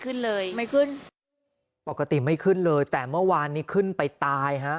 ขึ้นเลยไม่ขึ้นปกติไม่ขึ้นเลยแต่เมื่อวานนี้ขึ้นไปตายฮะ